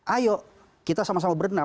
ayo kita sama sama berenang